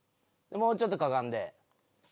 もうちょっとかがんで。